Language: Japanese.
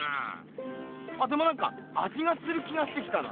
でもなんかあじがする気がしてきたな。